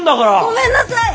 ごめんなさい！